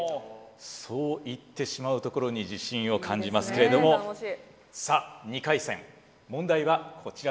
そう言ってしまうところに自信を感じますけれどもさあ２回戦。